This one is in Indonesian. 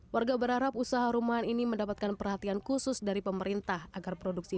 warga berharap usaha rumahan ini mendapatkan perhatian khusus dari pemerintah agar produksi